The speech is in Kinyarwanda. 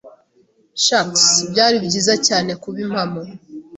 Shucks! Byari byiza cyane kuba impamo.